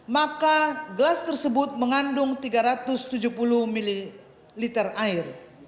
maka gelas tersebut mengandung tiga ratus tujuh puluh ml air